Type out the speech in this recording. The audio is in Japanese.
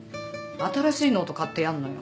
新しいノート買ってやんのよ。